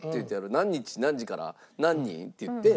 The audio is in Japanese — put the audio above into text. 何日何時から何人？」って言って。